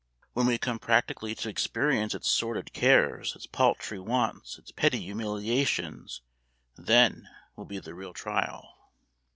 When we come practically to experience its sordid cares, its paltry wants, its petty humiliations then will be the real trial."